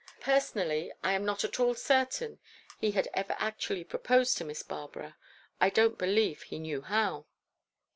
Personally, I am not at all certain he had ever actually proposed to Miss Barbara. I don't believe he knew how.